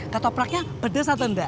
kata praknya pedas atau enggak